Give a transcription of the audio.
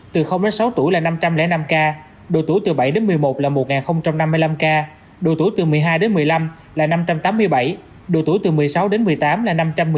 từ sáu tuổi là năm trăm linh năm ca độ tuổi từ bảy đến một mươi một là một năm mươi năm ca độ tuổi từ một mươi hai đến một mươi năm là năm trăm tám mươi bảy độ tuổi từ một mươi sáu đến một mươi tám là năm trăm một mươi bảy